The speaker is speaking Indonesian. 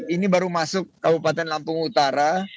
ini baru masuk kabupaten lampung utara